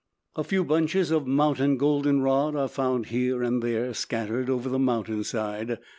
A few bunches of mountain goldenrod are found here and there scattered over the mountain side.